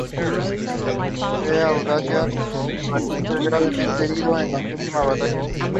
Gallery in Washington.